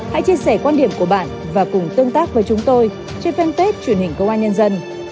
hãy chia sẻ quan điểm của bạn và cùng tương tác với chúng tôi trên fanpage truyền hình công an nhân dân